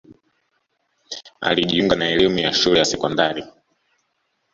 alijiunga na elimu ya shule ya sekondari